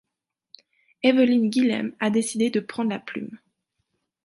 Evelyne Guilhem a décidé de prendre la plume.